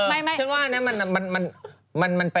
เออฉันว่าอันนั้นมัน